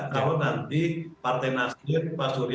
kalau nanti partai nasdeh juga atau vivera juga bisa bekerja